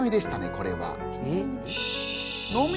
これは。